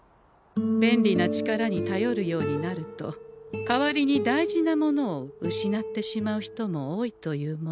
便利な力にたよるようになると代わりに大事なものを失ってしまう人も多いというもの。